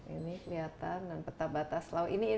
ini kelihatan dan peta batas laut